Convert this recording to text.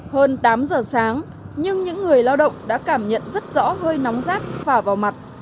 hơn tám giờ sáng nhưng những người lao động đã cảm nhận rất rõ hơi nóng rát phả vào mặt